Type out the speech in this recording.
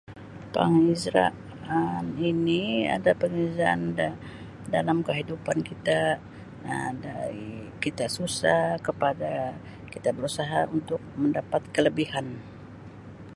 Panghijraan ini ada perbezaan dia dalam kehidupan kita Um dari kita susah kepada kita berusaha untuk mendapat kelebihan.